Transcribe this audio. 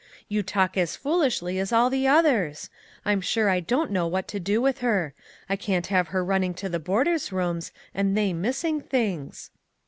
You talk as foolishly as all the others. I'm sure I don't know what to do with her. I can't have her running to the boarders' rooms, and they missing things."